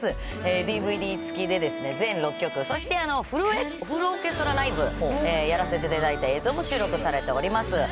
ＤＶＤ付きで全６曲、そして、フルオーケストラライブ、やらせていただいた映像も収録されております。